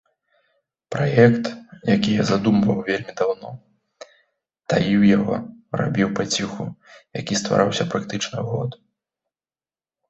Праект, які я задумаў вельмі даўно, таіў яго, рабіў паціху, які ствараўся практычна год.